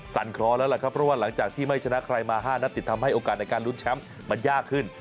คลอแล้วล่ะครับเพราะว่าหลังจากที่ไม่ชนะใครมา๕นัดติดทำให้โอกาสในการลุ้นแชมป์มันยากขึ้น